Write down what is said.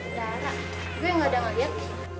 darah gue gak ada ngeliat